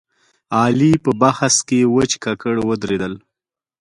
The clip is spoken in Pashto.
علي په بحث کې وچ ککړ ودرېدل.